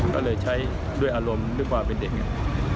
ก็เลยใช้ด้วยอารมณ์ด้วยความเป็นเด็กเนี่ย